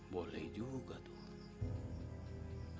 boleh juga tuh